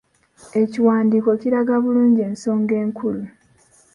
Ekiwandiiko kiraga bulungi ensonga enkulu.